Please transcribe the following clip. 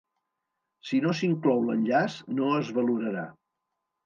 Si no s'inclou l'enllaç, no es valorarà.